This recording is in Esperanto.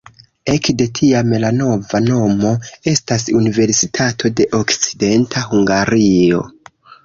Ekde tiam la nova nomo estas Universitato de Okcidenta Hungario.